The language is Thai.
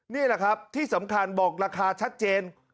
นี่แหละครับที่สำคัญบอกราคาชัดเจน